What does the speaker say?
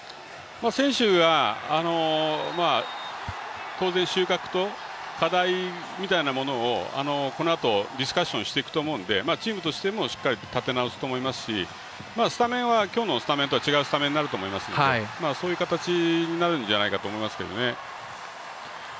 選手は当然、収穫と課題みたいなものをこのあと、ディスカッションしていくと思うのでチームとしても、しっかり立て直すと思いますしスタメンは今日のスタメンとは違うスタメンになると思うのでそういう形になるんじゃないかと思いますけどね。